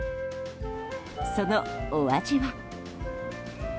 そのお味は？